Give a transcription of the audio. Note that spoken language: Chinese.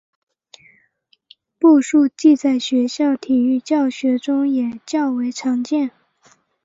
步数计在学校体育教学中也较为常见。